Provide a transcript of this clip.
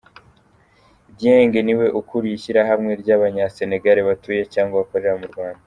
Dieng ni we ukuriye Ishyirahamwe ry’Abanya-Sénégal batuye cyangwa bakorera mu Rwanda.